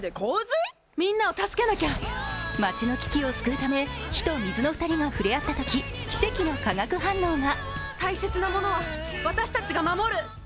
街の危機を救うため火と水の２人が触れ合ったとき、奇跡の化学反応が。